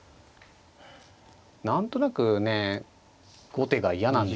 何となくね後手が嫌なんですよ